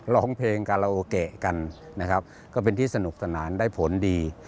ร้องเพลงกาลาโอเกะกันนะครับก็เป็นที่สนุกสนานได้ผลดี